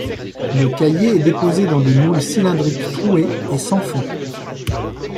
Le caillé est déposé dans des moules cylindriques troués et sans fond.